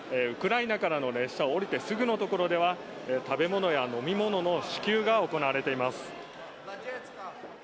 ウクライナからの列車を降りてすぐのところでは食べ物や飲み物の支給が行われています。